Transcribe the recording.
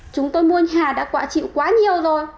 chúng tôi mua nhà đã quả chịu quá nhiều rồi